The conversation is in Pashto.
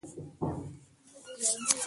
که موږ رښتیا پوه سو نو نه غولېږو.